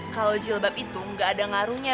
kalo jilbab itu gak ada ngaruhnya